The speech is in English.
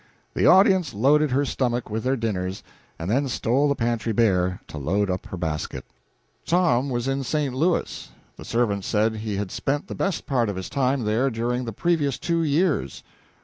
The audience loaded her stomach with their dinners, and then stole the pantry bare to load up her basket. Tom was in St. Louis. The servants said he had spent the best part of his time there during the previous two years.